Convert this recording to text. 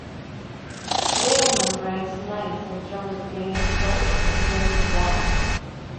Adelman ranks ninth in terms of games coached and games won.